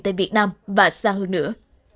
tại việt nam và xa hơn nữa